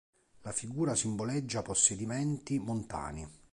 La figura simboleggia possedimenti montani.